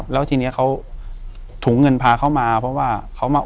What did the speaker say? แล้วทีนี้เขาถุงเงินพาเขามาเพราะว่าเขามา